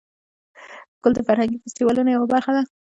کلي د فرهنګي فستیوالونو یوه برخه ده.